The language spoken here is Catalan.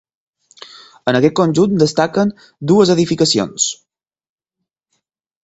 En aquest conjunt destaquen dues edificacions.